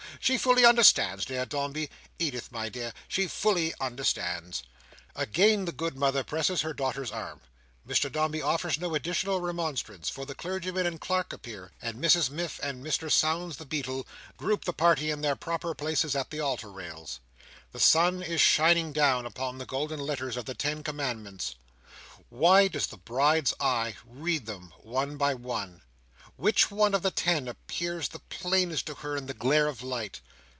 She fully understands, dear Dombey. Edith, my dear,—she fully understands." Again, the good mother presses her daughter's arm. Mr Dombey offers no additional remonstrance; for the clergyman and clerk appear; and Mrs Miff, and Mr Sownds the Beadle, group the party in their proper places at the altar rails. The sun is shining down, upon the golden letters of the ten commandments. Why does the Bride's eye read them, one by one? Which one of all the ten appears the plainest to her in the glare of light?